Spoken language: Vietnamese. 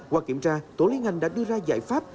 qua kiểm tra tổ liên ngành đã đưa ra giải pháp